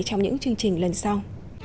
trong những chương trình lần sau